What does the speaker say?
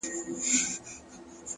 دا ستاد كلـي كـاڼـى زمـا دوا ســـوه _